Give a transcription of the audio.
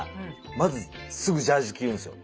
まずすぐジャージ着るんですよ。